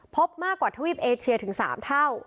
พบมากกว่าทวีปเอเชียถึง๓เท่า